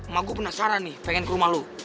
mak gue penasaran nih pengen ke rumah lu